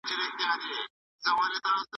استاد شاګرد ته وویل چي خپلې تېروتنې سمې کړه.